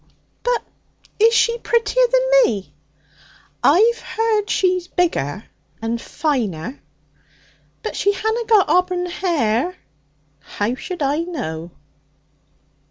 'But is she prettier than me?' 'I've heard she's bigger and finer.' 'But she hanna got abron hair?' 'How should I know?'